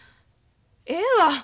ええわ。